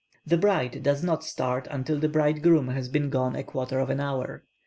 The bride does not start until the bridegroom has been gone a quarter of an hour.